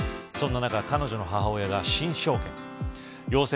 そんな中、彼女の母親が新証言。